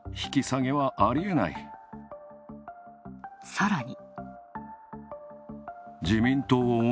さらに。